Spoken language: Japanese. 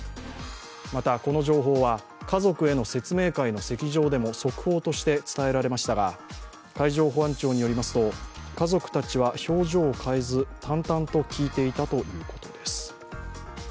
また、この情報は家族への説明会の席上でも速報として伝えられましたが海上保安庁によりますと家族たちは表情を変えず淡々と聞いていたということです。